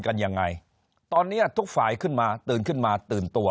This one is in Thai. กันยังไงตอนเนี้ยทุกฝ่ายขึ้นมาตื่นขึ้นมาตื่นตัว